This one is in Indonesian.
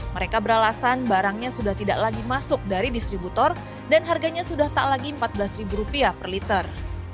mereka beralasan barangnya sudah tidak lagi masuk dari distributor dan harganya sudah tak lagi rp empat belas per liter